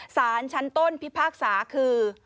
สารชั้นต้นพิพากษาคือ